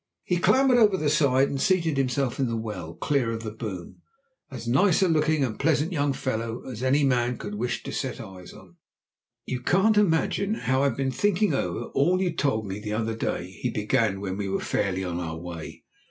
He clambered over the side and seated himself in the well, clear of the boom, as nice looking and pleasant a young fellow as any man could wish to set eyes on. "You can't imagine how I've been thinking over all you told me the other day," he began when we were fairly on our way.